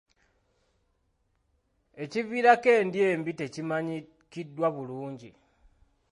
Ekiviirako endya embi tekimanyikiddwa bulungi